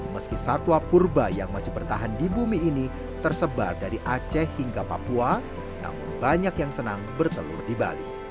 meski satwa purba yang masih bertahan di bumi ini tersebar dari aceh hingga papua namun banyak yang senang bertelur di bali